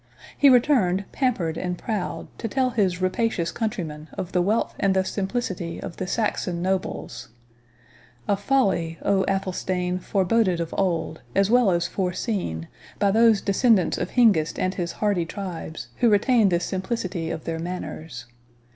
He returned pampered and proud, to tell his rapacious countrymen of the wealth and the simplicity of the Saxon nobles—a folly, oh, Athelstane, foreboded of old, as well as foreseen, by those descendants of Hengist and his hardy tribes, who retained the simplicity of their manners.